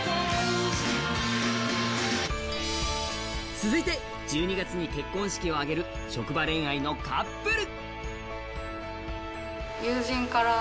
続いて、１２月に結婚式を挙げる職場恋愛のカップル。